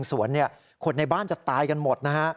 สวนนี้คนในบ้านจะตายกันหมด